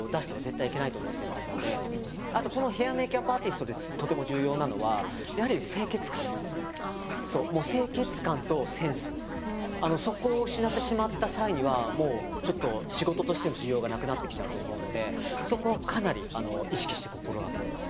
あとヘア＆メイクアップアーティストでとても重要なのはやはりそこを失ってしまった際にはもうちょっと仕事としての需要がなくなってきちゃうと思うのでそこはかなり意識して心がけてます。